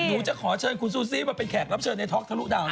หนูจะขอเชิญคุณซูซี่มาเป็นแขกรับเชิญในท็อกทะลุดาว